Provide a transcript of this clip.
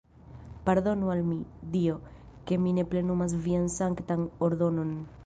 Pardonu al mi, Dio, ke mi ne plenumas vian sanktan ordonon!